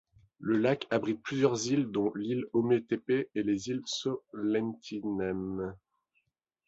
Le lac abrite plusieurs îles dont l'île Ometepe et les îles Solentiname.